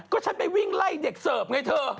ก็ฉันไปวิ่งไล่เด็กเสิร์ฟไงเธอ